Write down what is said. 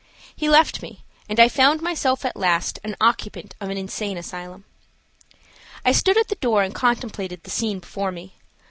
He left me and I found myself at last an occupant of an insane asylum. I stood at the door and contemplated the scene before me.